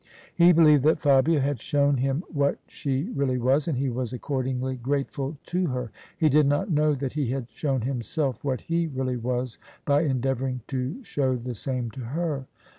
He believed that Fabia had shown him what she really was: and he was accordingly grateful to her: he did not know that he had shown himself what he really was by endeavouring to show the same to her.